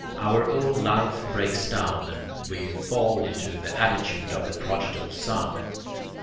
Our own life breaks down, and we fall into the attitude of the prodigal son.